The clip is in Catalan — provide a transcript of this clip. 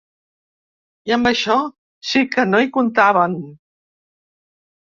I amb això sí que no hi comptaven.